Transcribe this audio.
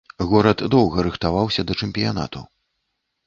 Горад доўга рыхтаваўся да чэмпіянату.